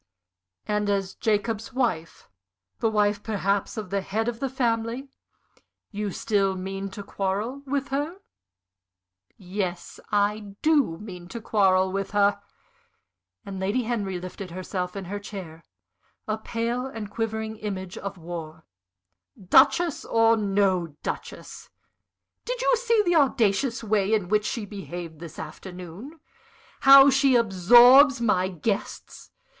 "And as Jacob's wife the wife perhaps of the head of the family you still mean to quarrel with her?" "Yes, I do mean to quarrel with her!" and Lady Henry lifted herself in her chair, a pale and quivering image of war "Duchess or no Duchess! Did you see the audacious way in which she behaved this afternoon? how she absorbs my guests?